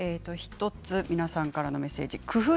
皆さんからのメッセージです。